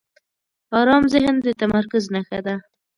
آرام ذهن د تمرکز نښه ده.